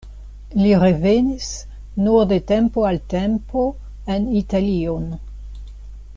Li revenis nur de tempo al tempo en Italion.